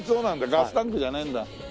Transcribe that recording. ガスタンクじゃねえんだ。